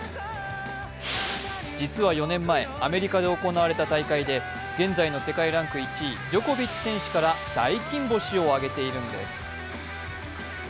実は４年前、アメリカで行われた大会で現在の世界ランク１位・ジョコビッチ選手から大金星を挙げているんです。